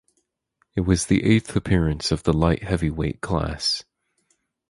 It was the eighth appearance of the light heavyweight class.